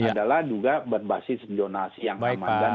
adalah juga berbasis jonas yang aman